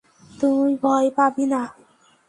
তুই ভয় পাবি না।